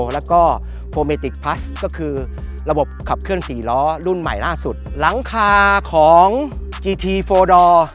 แล้วก็โฟเมติกพลัสก็คือระบบขับเคลื่อนสี่ล้อรุ่นใหม่ล่าสุดหลังคาของจีทีโฟดอร์